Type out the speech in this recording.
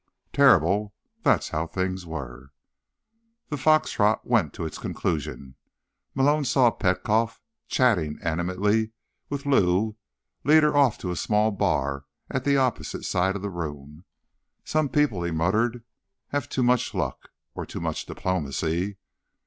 Terrible. That's how things were. The fox trot went to its conclusion. Malone saw Petkoff, chatting animatedly with Lou, lead her off to a small bar at the opposite side of the room. "Some people," he muttered, "have too much luck. Or too much diplomacy."